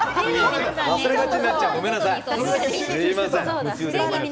忘れがちになっちゃう。